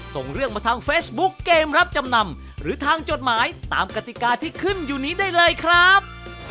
ส่งเรื่องมาทางเฟซบุ๊กเกมรับจำนำหรือทางจดหมายตามกติกาที่ขึ้นอยู่นี้ได้เลยครับ